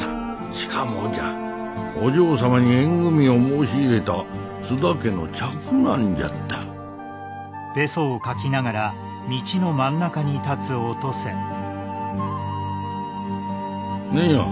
しかもじゃお嬢様に縁組みを申し入れた津田家の嫡男じゃった何や？